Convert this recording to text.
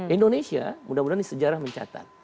indonesia mudah mudahan di sejarah mencatat